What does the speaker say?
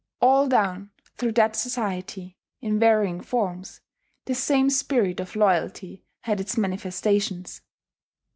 All down through that society, in varying forms, the same spirit of loyalty had its manifestations.